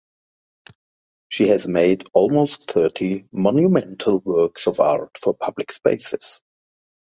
She has made almost thirty monumental works of art for public spaces.